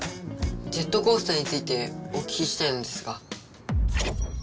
ジェットコースターについてお聞きしたいのですが。